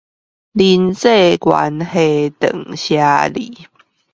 人際關係斷捨離